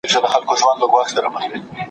مېلمستون ته په رسېدو کې نیم ساعت وخت لګېږي.